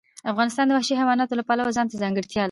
افغانستان د وحشي حیواناتو له پلوه ځانته ځانګړتیا لري.